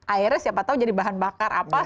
airnya siapa tahu jadi bahan bakar apa